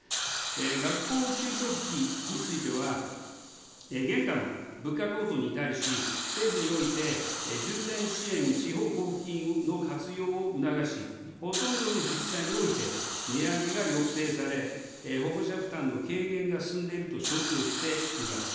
学校給食費については、現下の物価高騰に対し、政府において、重点支援地方交付金の活用を促し、ほとんどの自治体において、値上げが抑制され、保護者負担の軽減が進んでいると承知をしています。